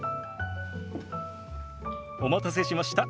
お待たせしました。